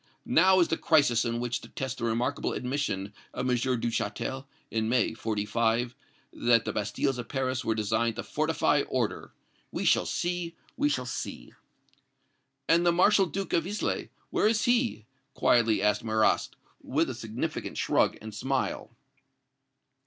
Now is the crisis in which to test the remarkable admission of M. Duchatel, in May, '45, that the bastilles of Paris were designed to 'fortify order.' We shall see, we shall see!" "And the Marshal Duke of Islay where is he?" quietly asked Marrast, with a significant shrug and smile.